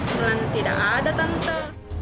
bilang tidak ada tentu